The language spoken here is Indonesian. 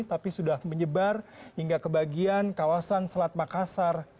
tapi sudah menyebar hingga ke bagian kawasan selat makassar